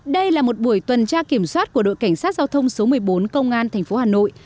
đây là một buổi tuần tra kiểm soát của đội cảnh sát giao thông số một mươi bốn công an tp hà nội